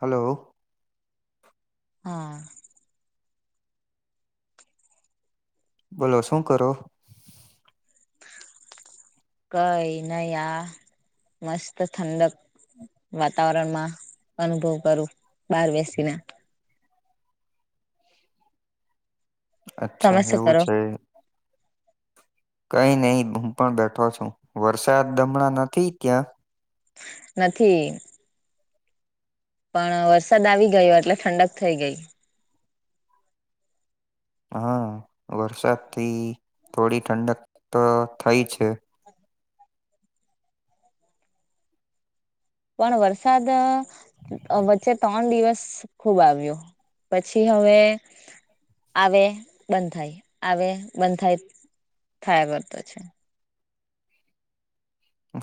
હાલો હા બોલો શું કરો? કઈ નઈ આ મસ્ત ઠંડક વાતાવરણમાં અનુભવ કરું બાર બેસીને તમે અચ્છા શું એવું કરો છે કઈ નહી હું પણ બેઠો છું વરસાદ દમણા નથી ત્યાં નથી પણ વરસાદ આવી ગયો એટલે ઠંડક થઈ ગઈ હા વરસાદથી થોડી ઠંડક તો થઈ છે પણ વરસાદ વચ્ચે ત્રણ દિવસ ખુબ આવ્યો પછી હવે આવે બંધ થાય આવે બંધ થાય થયા કર્તો છે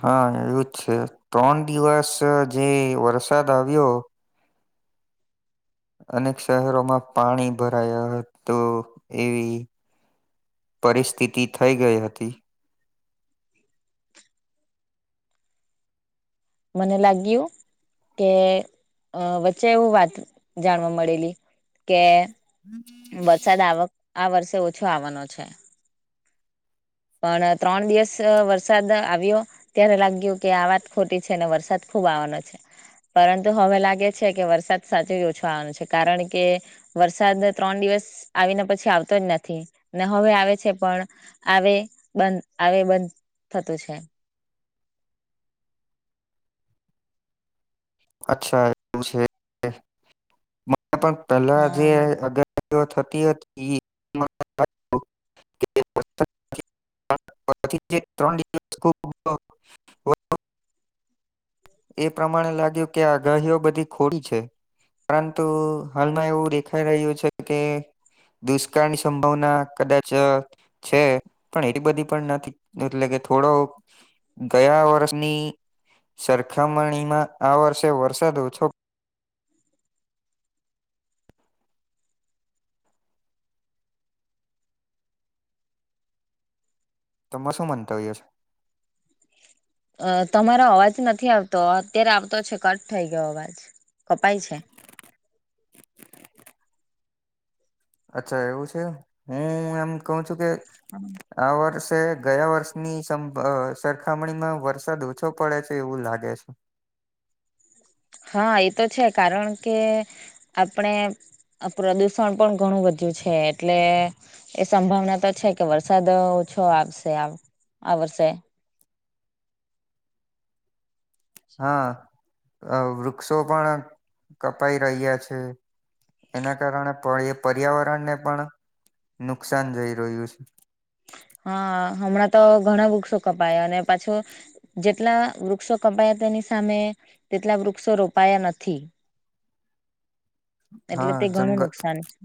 હા એવુંજ છે ત્રણ દિવસ જે વરસાદ આવ્યો અનેક શહેરોમાં પાણી ભરાયો હતો એવી પરિસ્થિતિ થઈ ગઈ હતી મને લાગ્યું કે અ વચ્ચે એવું વાત જાણવા મળેલી કે હમ સાદ આવક આ વર્ષે ઓછો આવાનો છે પણ ત્રણ દિવસ વરસાદ આવ્યો ત્યારે લાગ્યું કે આ વાત ખોટી છે અને વરસાદ ખુબ આવાનો છે પરંતુ હવે લાગે છે કે વરસાદ સાચે જ ઓછો આવાનો છે કારણ કે વરસાદ ત્રણ દિવસ આવીને પછી આવતો જ નથી ને હવે આવે છે પણ આવે બંધ આવે બંધ થતું છે અચ્છા એવું છે પણ પેલા જે હા અગ થતી હતી [unintelligible] [unintelligible] એ પ્રમાણે લાગ્યું કે આગાહીઓ બધી ખોટી છે પરંતુ હાલમાં એવું દેખાઈ રહ્યું છે કે દુષ્કાળની સંભાવના કદાચ છે પણ એટલી બધી પણ નથી એટલે કે થોડો ગયા વર્ષની સરખામણીમાં આ વર્ષે વરસાદ ઓછો. તોમાં શું મનતાવીય છે. અ તમારો અવાજ નથી આવતો અત્યારે આવતો છે કટ થઈ ગયો અવાજ કપાય છે. અચ્છા એવું છે હું એમ કઉું છું કે. હમ આ વર્ષે ગયા વર્ષની સમ સરખામણીમાં વરસાદ ઓછો પડે છે એવું લાગે છે. હા એ તો છે કારણ કે આપણે અ પ્રદુષણ પણ ઘણું વધ્યું છે એટલે એ સંભાવના તો છે કે વરસાદ ઓછો આવશે આ વર્ષે હા અ વૃક્ષો પણ કપાઈ રહ્યા છે એના કારણે પણ એ પર્યાવરણ ને પણ નુકસાન જઈ રહ્યું છે. હા હમણાં તો ઘણા બુક્સો કપાયા અને પાછું. જેટલા વૃક્ષો કપાયા તેની સામે તેટલા વૃક્ષો રોપાયા નથી. [inaudible] એટલે હા તે ઘણું જંગલ નુકસાન છે.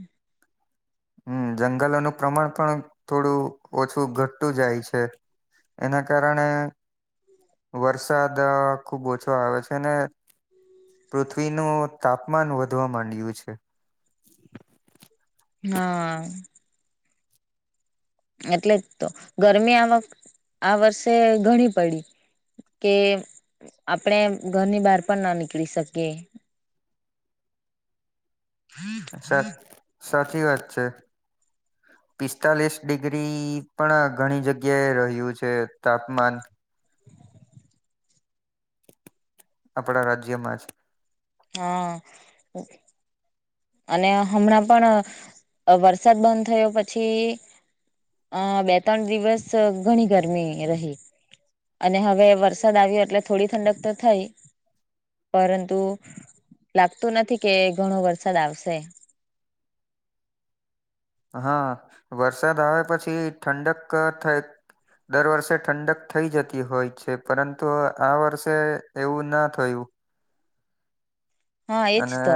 હમ જંગલોનું પ્રમાણ પણ થોડું ઓછું ઘટતું જાય છે. એના કારણે. વરસાદ ખુબ ઓછો આવે છે ને પૃથ્વીનું તાપમાન વધવા માંડય્યું છે. હા. એટલે જ તો ગરમી આ વ આ વર્ષે ઘણી પડી. કે આપણેે ઘરની બહાર પણ ના નીકળી શકીએ. સાઆ સાચી વાત છે. પિસ્તાલીસ ડિગ્રી પણ ઘણી જગ્યાએ રહ્યું છે તાપમાન. આપડા રાજ્યમાં જ હા. અને હમણાં પણ વરસાદ બંધ થયો પછી. આ બે ત્રણ દિવસ ઘણી ગરમી રહી. અને હવે વરસાદ આવ્યો એટલે થોડી ઠંડક તો થઈ. પરંતુ લાગતું નથી કે ઘણો વરસાદ આવશે. હા વરસાદ આવે પછી ઠંડક થઈ. દર વર્ષે ઠંડક થઈ જતી હોય છે પરંતુ આ વર્ષે એવું ના થયું. હા એજ અને તો.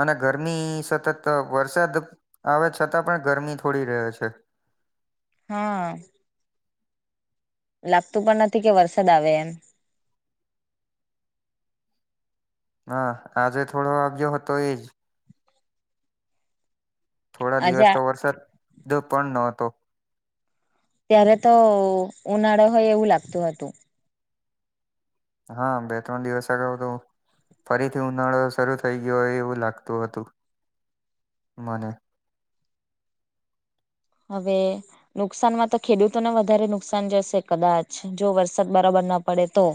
અને ગરમી સતત વરસાદ આવે છતાં પણ ગરમી થોડી રહે છે. હા આ. લાગતું પણ નથી કે વરસાદ આવે એમ. હા આજે થોડો આવયો હતો એજ. થોડા આજે દિવસ તો વરસાદ પણ ન હતો. ત્યારે તો ઉનાળો હોય એવું લાગતું હતું. હા બે ત્રણ દિવસ આગાઉ તો. ફરીથી ઉનાળો શરૂ થઈ ગયો હોય એવું લાગતું હતું મને. હવે. નુકસાનમાં તો ખેડૂતોને વધારે નુકસાન જશે કદાચ જો વરસાદ બરાબર ના પડે તો.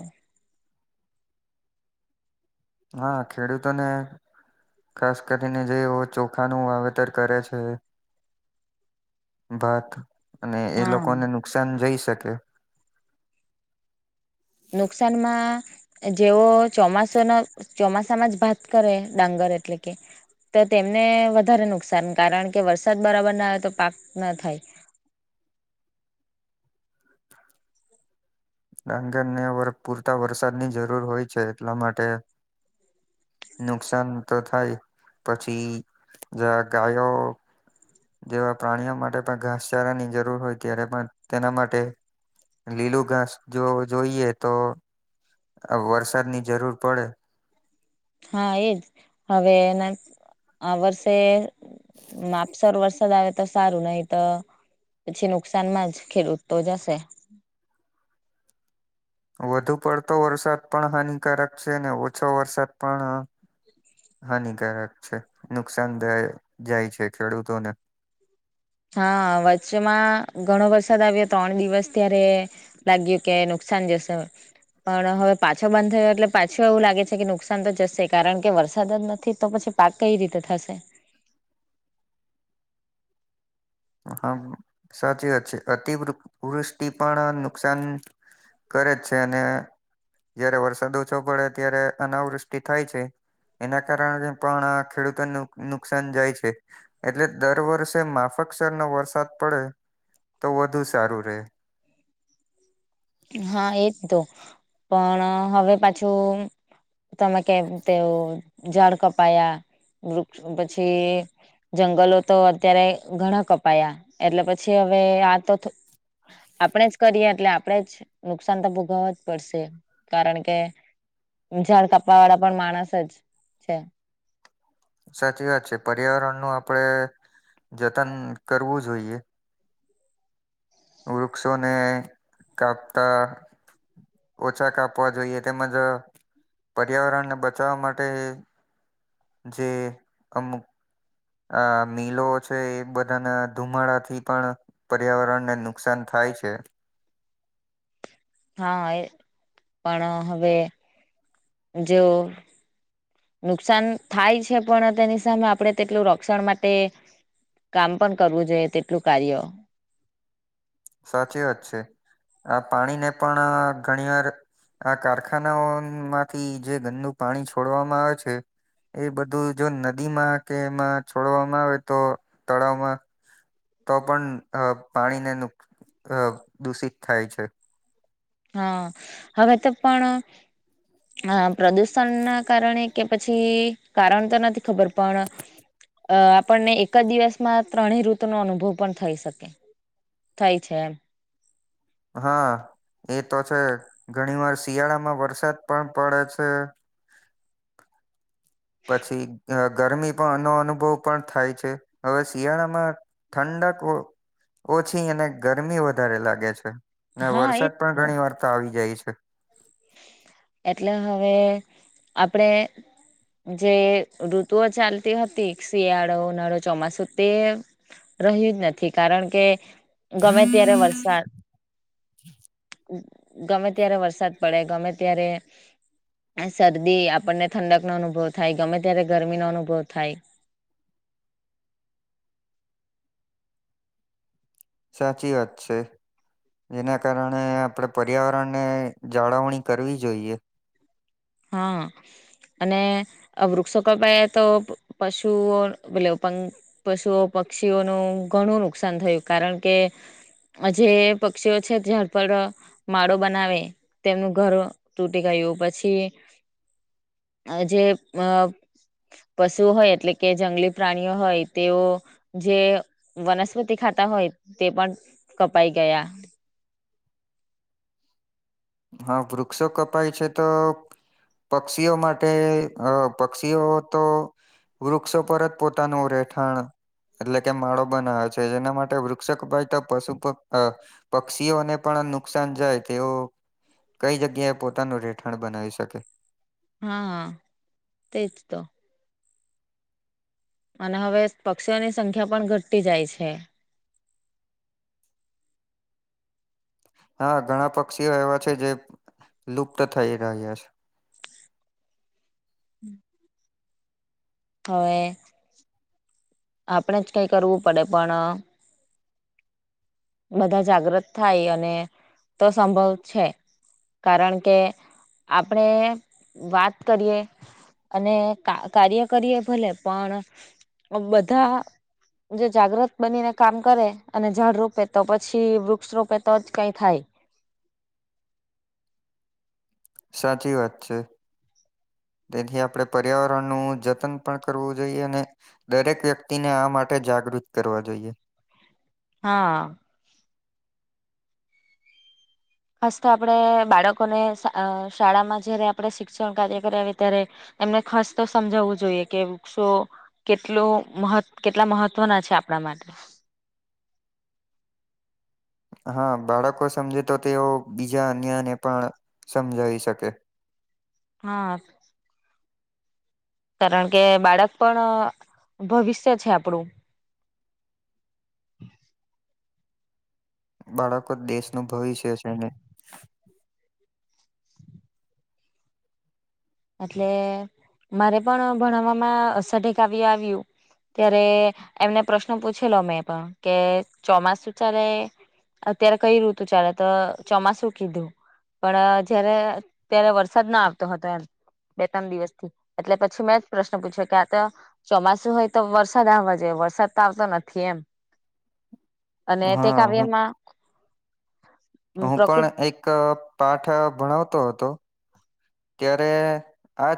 હા ખેડૂતોને. ખાસ કરીને જે ચોખા નું વાવેતર કરે છે. ભાત અને એ હા લોકોને નુકસાન જઈ શકે. નુકસાનમાં. જેવો ચોમાસોના ચોમાસામાં જ ભાત કરે ડાંગર એટલે કે તો તેમને વધારે નુકસાન કારણ કે વરસાદ બરાબર ના આવે તો પાક ના થાય. ડાંગર ને વર પૂરતા વરસાદની જરૂર હોય છે એટલા માટે. નુકસાન તો થાય પછી જ ગાયો. જેવા પ્રાણીઓ માટે પણ ઘાસચારાની જરૂર હોય ત્યારે પણ તેના માટે. લીલું ઘાસ જો જોઈએ તો આ વરસાદ ની જરૂર પડે હા, એજ હવેના આ વર્ષે, માપસર વર્ષે. તો સારું નહી તો, પછી નુકસાનમાં જ ખેડૂત તો જશે. વધુ પડતો વરસાદ પણ હાનિકારક છે અને ઓછો વરસાદ પણ હાનિકારક છે નુકસાન દાય જાય છે ખેડૂતોને. હા વચ્ચમાં ઘણો વરસાદ આવ્યો ત્રણ દિવસ ત્યારે. લાગ્યું કે નુકસાન જશે. પણ હવે પાછો બંધ થયો એટલે પાછું એવું લાગે છે કે નુકસાન તો જશે કારણ કે વરસાદ જ નથી તો પછી. પાક કઈ રીતે થશે? હમ્મ, સાચી વાત છે, અતિ વૃ વૃષ્ટિ પણ નુકસાન કરે જ છે અને જયારે વરસાદ ઓછો પડે ત્યારે અનાવૃષ્ટિ થાય છે. એના કારણે પણ આ ખેડૂતોને નુક નુકસાન જાય છે. એટલે દર વર્ષે માફકસરનો વરસાદ પડે તો વધુ સારું રે. હા એજ તો પણ હવે પાછું તમે કેમ તેઓ ઝાડ કપાયા વૃક્ષ પછી જંગલો તો અત્યારે ઘણા કપાયા એટલે પછી હવે આ તો થ આપણેે જ કરીએ, એટલે આપણેે જ નુકસાન તો ભોગવવા જ પડશે, કારણ કે ઝાડ કાપવા વાળા પણ માણસ જ છે. સાચી વાત છે, પર્યાવરણ નું આપડે જતન કરવું જોઈએ. વૃક્ષોને કાપતા. ઓછા કાપવા જોઈએ, તેમજ પર્યાવરણને બચાવવા માટે જે અમુક આ મિલો છે, એ બધાના ધુમાડા થી પણ પર્યાવરણ ને નુકસાન થાય છે. હા, એ પણ હવે જો નુકસાન થાય છે, પણ તેની સામે આપણે તેટલું રક્ષણ માટે કામ પન કરવું જોઈએ તેટલું કાર્ય સાચી વાત છે. આ પાણીને પણ ઘણી વાર આ કારખાનાઓમાંથી જે ગંદુંનું પાણી છોડવામાં આવે છે ઈ બધું જો નદીમાં કે એમાં છોડવામાં આવે તો તળાવમાં તો પણ પાણીને નુક અહ દૂષિત થાય છે. હા. હવે તો પણ હા. પ્રદુષણ ના કારણે કે પછી કારણ તો નથી ખબર પણ અહ આપણને એક જ દિવસમાં ત્રણેય ઋતુનો અનુભવ પણ થઈ શકે. થાય છે એમ. હા. એ તો છે. ઘણી વાર શિયાળામાં વરસાદ પણ પડે છે. પછી ગરમી પણ નો અનુભવ પણ થાય છે હવે શિયાળામાં ઠંડક ઓ ઓછી અને ગરમી વધારે લાગે છે. ને હા એજ વરસાદ પણ ઘણી વાર તો આવી જાય છે. એટલે હવે આપડે જે ઋતુઓ ચાલતી હતી, શિયાળો, ઉનાળો, ચોમાસું તે રહ્યું જ નથી, કારણ કે ગમે ત્યારે વરસાદ [inaudible] ગમે ત્યારે વરસાદ પડે ગમે ત્યારે આ શરદી આપણને ઠંડક નો અનુભવ થાય, ગમે ત્યારે ગરમીનો અનુભવ થાય. સાચી વાત છે. જેના કારણે આપડે પર્યાવરણને જાળવણી કરવી જોઈએ. હા. અને આ વૃક્ષો કપાએ તો પશુઓ પેલો [unintelligible] પશુઓ પક્ષીઓનું ઘણું નુકસાન થયું કારણ કે જે પક્ષીઓ છે ઝાડ પર માળો બનાવે. તેમનું ઘર તૂટી ગયું પછી અ જે મ પશુ હોય એટલે કે જંગલી પ્રાણીઓ હોય તેઓ જે વનસ્પતિ ખાતા હોય તે પણ કપાઈ ગયા. હા. વૃક્ષો કપાય છે તો પક્ષીઓ માટે અહ પક્ષીઓ તો વૃક્ષો પર જ પોતાનું રહેઠાણ એટલે કે માળો બનાવે છે. જેના માટે વૃક્ષ કપાઈ તો પશુ પક અહ પક્ષીઓને પણ નુકસાન જાય તેવો કઈ જગ્યાએ પોતાનું રહેેઠાણ બનાવી શકે. હા, હા. તે જ તો. અને હવે પક્ષીઓની સંખ્યા પણ ઘટતી જાય છે. હા ઘણા પક્ષીઓ એવા છે જે લુપ્ત થઈ રહ્યા છે. [inaudible] હવે આપણે જ કંઈ કરવું પડે પણ બધાં જાગ્રત થાય અને તો સંભવ છે. કારણ કે આપણે વાત કરીએ અને કા કાર્ય કરીએ ભલે પણ બધા જો જાગ્રૃત બનીને કામ કરે અને ઝાડ રોપે તો પછી વૃક્ષ રોપે તો જ કાઈ થાય. સાચી વાત છે. તેથી આપણે પર્યાવરણનું જતન પણ કરવું જોઈએ અને દરેક વ્યક્તિને આ માટે જાગૃત કરવા જોઈએ. હા. ખાસ તો આપણે બાળકોને શાળામાં જયારે આપણે અ શિક્ષણકાર્ય કરાવીએ ત્યારે એમને ખાસ તો સમજાવવું જોઈએ કે વૃક્ષો કેટલું મહ કેટલા મહત્વના છે આપણા માટે. હા બાળકો સમજે તો તેઓ બીજા અન્યને પણ સમજાવી શકે. હા. કારણ કે બાળક પણ ભવિષ્ય છે આપણું. હમ બાળકો જ દેશનું ભવિષ્ય છેને. એટલે મારે પણ ભણવામાં અ સ્વધ્યાય કાવ્ય આવ્યું. ત્યારે એમને પ્રશ્ન પૂછેલો મેં પણ કે ચોમાસું ચાલે અત્યારે કઈ ઋતુ ચાલે? તો ચોમાસું કીધું. પણ જયારે ત્યારે વરસાદ ના આવતો હતો એમ. બે ત્રણ દિવસથી એટલે પછી મેં જ પ્રશ્ન પૂછ્યો કે આ તો ચોમાસું હોય તો વરસાદ આવવા જોઈએ, વરસાદ તો આવતો નથી એમ. અને તે હા હું કાવ્યમાં હું પ્રકૃતિ પણ એક પાઠ ભણાવતો હતો ત્યારે આ